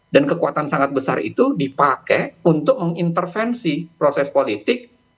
dan kekuatan sangat besar itu dipakai untuk mengintervensi proses politik